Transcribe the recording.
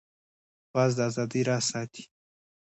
باز د آزادۍ راز ساتي